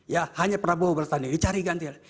ya hanya prabowo bertanya dicari ganti